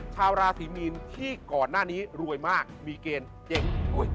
ชาวราศีมีนที่ก่อนหน้านี้รวยมากมีเกณฑ์เจ๊ง